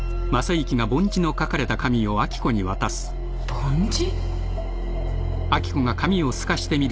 梵字？